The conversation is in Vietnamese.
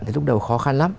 thì lúc đầu khó khăn lắm